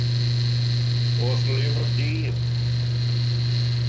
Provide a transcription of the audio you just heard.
O'th “lyfr” di!